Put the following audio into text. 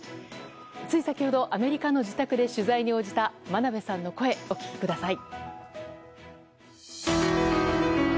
つい先ほどアメリカの自宅で取材に応じた真鍋さんの声、お聞きください。